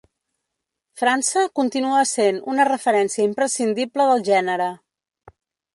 França continua essent una referència imprescindible del gènere.